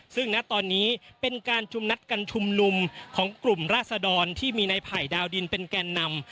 ซึ่งณตอนนี้เป็นการชุมนัดการชุมนุมของกลุ่มราศดรที่มีในไผ่ดาวดินเป็นแกนนำ